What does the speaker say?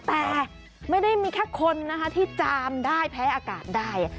แต่ไม่ได้มีแค่คนนะคะที่จามได้แพ้อากาศได้